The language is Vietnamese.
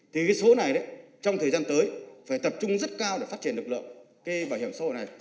thì số này trong thời gian tới phải tập trung rất cao để phát triển lực lượng bảo hiểm xã hội này